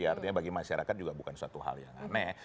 artinya bagi masyarakat juga bukan suatu hal yang aneh